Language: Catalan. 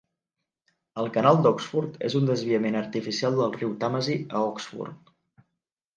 El canal d'Oxford és un desviament artificial del riu Tàmesi a Oxford.